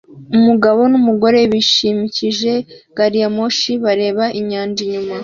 Umugabo numugore bishimikije gariyamoshi bareba inyanja inyuma